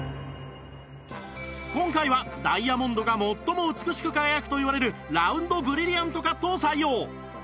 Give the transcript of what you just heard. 今回はダイヤモンドが最も美しく輝くといわれるラウンドブリリアントカットを採用